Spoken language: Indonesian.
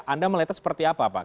anda melihat itu seperti apa pak